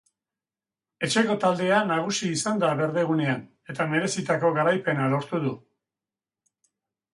Etxeko taldea nagusi izan da berdegunean eta merezitako garaipena lortu du.